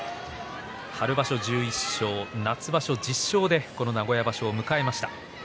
春場所１１勝夏場所１０勝でこの名古屋場所を迎えました。